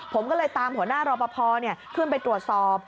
ผมก็เลยตามหัวหน้ารอปภขึ้นไปตรวจสอบ